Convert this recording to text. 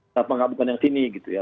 sama sama bukan yang sini gitu ya